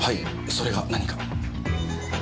それが何か？